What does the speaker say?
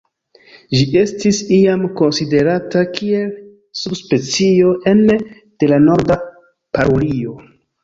Ĝi estis iam konsiderata kiel subspecio ene de la Norda parulio.